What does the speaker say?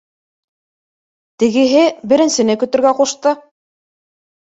Тегеһе беренсене көтөргә ҡушты